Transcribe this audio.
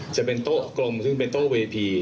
จะเป็นโต๊ะกลมซึ่งเป็นโต๊ะเวที